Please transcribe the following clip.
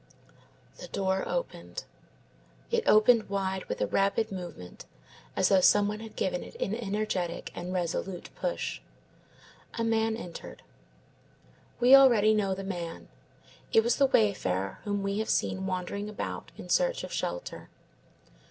The door opened. It opened wide with a rapid movement, as though some one had given it an energetic and resolute push. A man entered. We already know the man. It was the wayfarer whom we have seen wandering about in search of shelter.